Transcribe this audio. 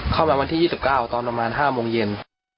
วันที่๒๙ตอนประมาณ๕โมงเย็น